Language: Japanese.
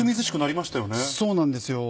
そうなんですよ。